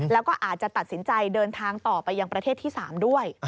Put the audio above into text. แล้วก็อาจจะตัดสินใจเดินทางต่อไปยังประเทศที่๓ด้วย